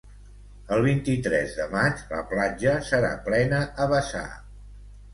El vint-i-tres de maig la platja serà plena a vessar.